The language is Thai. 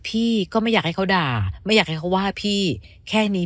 พี่ก็ไม่อยากให้เขาด่าไม่อยากให้เขาว่าพี่แค่นี้